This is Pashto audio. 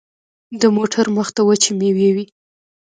د موټر مخته وچې مېوې وې.